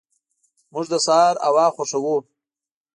موږ د سهار هوا خوښو.